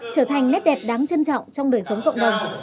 trở thành nét đẹp đáng trân trọng trong đời sống cộng đồng